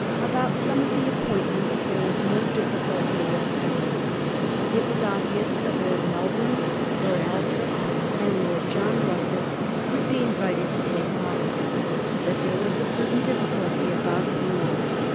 About some of the appointments there was no difficulty whatever. It was obvious that Lord Melbourne, Lord Althorp, and Lord John Russell would be invited to take office, but there was a certain difficulty about Brougham.